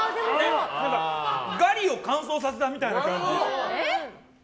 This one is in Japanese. ガリを乾燥させたみたいな感じ。